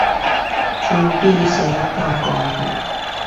洲美蜆仔港公園